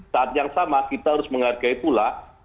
saat yang sama kita harus menghargai pula